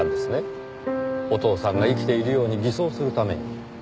お父さんが生きているように偽装するために。